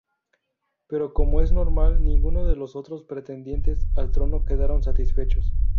Pero como es normal, ninguno de los otros pretendientes al trono quedaron satisfechos.